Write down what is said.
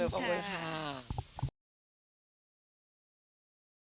ค่ะนี่แหละครับขอบคุณค่ะ